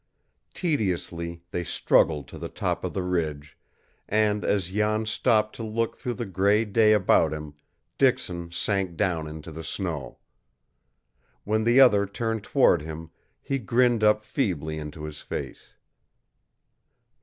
Tediously they struggled to the top of the ridge, and as Jan stopped to look through the gray day about him, Dixon sank down into the snow. When the other turned toward him he grinned up feebly into his face.